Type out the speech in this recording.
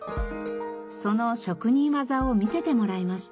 その職人技を見せてもらいました。